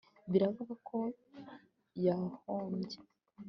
Biravugwa ko yahombye